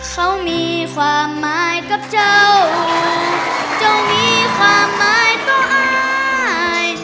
เขามีความหมายกับเจ้าเจ้ามีความหมายต่ออาย